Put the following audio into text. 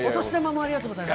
ありがとうございます。